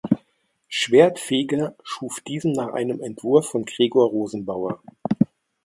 Schwerdtfeger schuf diesen nach einem Entwurf von Gregor Rosenbauer.